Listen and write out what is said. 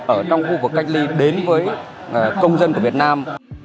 ở trong khu vực cách ly đến với công dân của việt nam